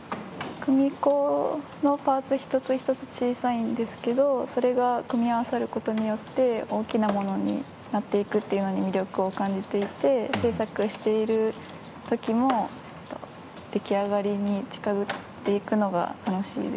組子のパーツ、一つ一つ小さいんですけどそれが組み合わさることによって大きなものになっていくっていうのに魅力を感じていて制作しているときも出来上がりに近づいていくのが楽しいです。